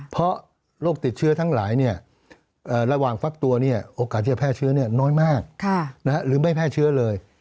เพราะโรคติดเชื้อทั้งหลายระหว่างฟักตัวเนี่ยโอกาสที่จะแพร่เชื้อน้อยมากหรือไม่แพร่เชื้อเลย